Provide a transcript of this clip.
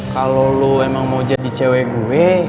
kalau lo emang mau jadi cewek gue